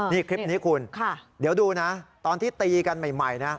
นี่คลิปนี้คุณเดี๋ยวดูนะตอนที่ตีกันใหม่นะ